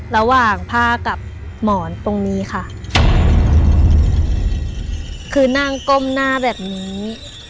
ระหว่างผ้ากับหมอนตรงนี้ค่ะคือนั่งก้มหน้าแบบนี้